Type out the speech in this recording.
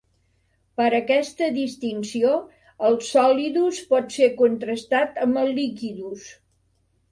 Per a aquesta distinció, el solidus pot ser contrastat amb el liquidus.